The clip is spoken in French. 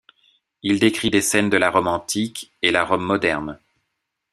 Il décrit des scènes de la Rome antique et la Rome moderne.